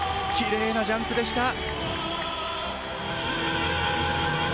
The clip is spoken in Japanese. きれいなジャンプでした。